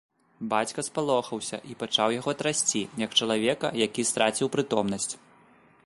Бацька спалохаўся і пачаў яго трасці, як чалавека, які страціў прытомнасць.